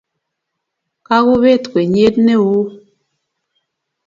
Kagopet kwenyiet neeo